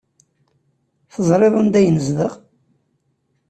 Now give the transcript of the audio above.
Teẓriḍ anda ay nezdeɣ?